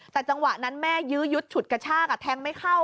แต่จังหวะนั้นแม่ยื้อยุดฉุดกระชากแทงไม่เข้า